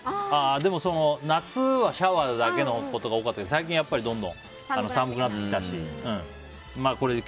夏はシャワーだけのほうが多かったけど多かったですけど最近はどんどん寒くなってきたし。